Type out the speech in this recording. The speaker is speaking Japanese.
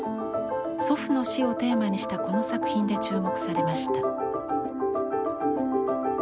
祖父の死をテーマにしたこの作品で注目されました。